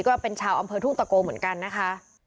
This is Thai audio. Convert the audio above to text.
ก็เป็นชาวอำเภอทุ่งตะโกเหมือนกันนะคะ